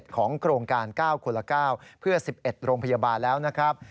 ของโครงการ๙คนละ๙เพื่อ๑๑โรงพยาบาลแล้วนะครับ